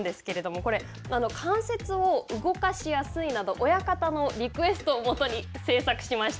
これ、関節を動かしやすいなど親方のリクエストをもとに製作しました。